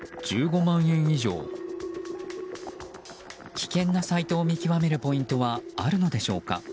危険なサイトを見極めるポイントはあるのでしょうか。